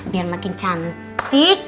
biar makin cantik